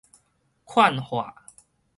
勸化